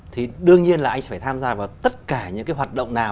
thì đương nhiên là anh sẽ phải tham gia vào tất cả những hoạt động nào